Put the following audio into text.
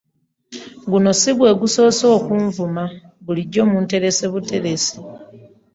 Guno si gwe gusoose okunvuma bulijjo mmuterese buteresi.